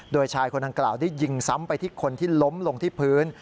โดยชายคนดังกล่าวได้ยิงซ้ำไปที่คนที่ล้มลงที่พื้น